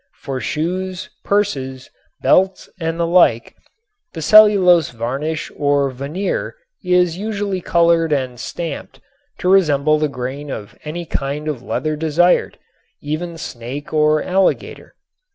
For shoes, purses, belts and the like the cellulose varnish or veneer is usually colored and stamped to resemble the grain of any kind of leather desired, even snake or alligator.